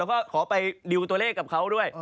แล้วก็ขอไปดิวตัวเลขกับเขาด้วย